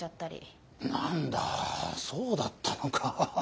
何だそうだったのか。